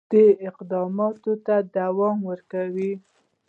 هغه دي اقداماتو ته دوام ورکړي.